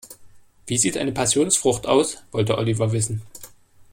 "Wie sieht eine Passionsfrucht aus?", wollte Oliver wissen.